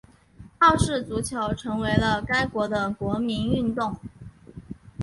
澳式足球成为了该国的国民运动。